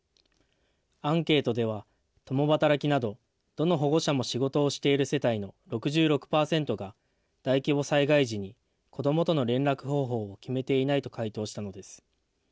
アンケートでは、共働きなど、どの保護者も仕事をしている世帯の６６％が大規模災害時に子どもとの連絡方法を決めていないと回答したのです。